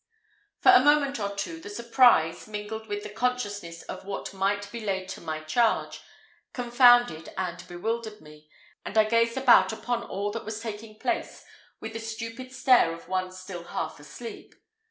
For a moment or two, the surprise, mingled with the consciousness of what might be laid to my charge, confounded and bewildered me, and I gazed about upon all that was taking place with the stupid stare of one still half asleep.